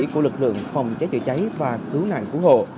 của lực lượng phòng cháy chữa cháy và cứu nạn cứu hộ